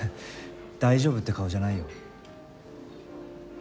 大丈夫って顔じゃないよ。